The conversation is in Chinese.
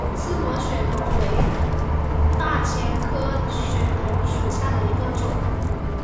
刺果血桐为大戟科血桐属下的一个种。